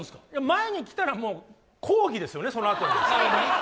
前に来たらもう、抗議ですよね、そのあと。